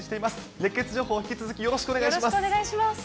熱ケツ情報、引き続きよろしくお願いします。